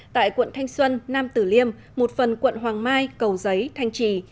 tại quận thanh xuân nam tử liêm một phần quận hoàng mai cầu giấy thanh trì